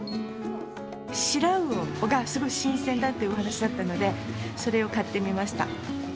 シラウオがすごい新鮮だっていうお話しだったので、それを買ってみました。